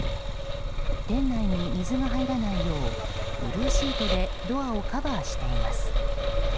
店内に水が入らないようブルーシートでドアをカバーしています。